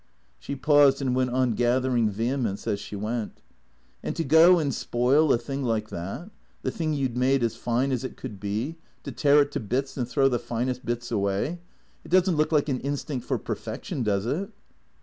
She paused and went on gathering vehemence as she went. " And to go and spoil a thing like that, the thing you 'd made as fine as it could be, to tear it to bits and throw the finest bits away — it does n't look like an Instinct for Perfection, does it?